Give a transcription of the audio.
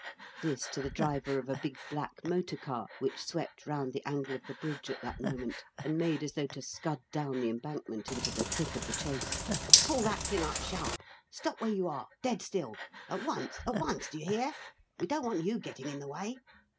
this to the driver of a big, black motor car which swept round the angle of the bridge at that moment, and made as though to scud down the Embankment into the thick of the chase "pull that thing up sharp! Stop where you are! Dead still. At once, at once, do you hear? We don't want you getting in the way.